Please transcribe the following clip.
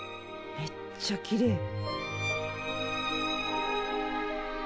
めっちゃきれい。